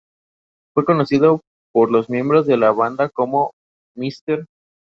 Fue conocido por los miembros de la banda como "Mr.